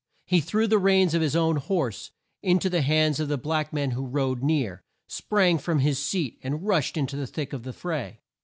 He threw the reins of his own horse in to the hands of the black man who rode near, sprang from his seat, and rushed in to the thick of the fray.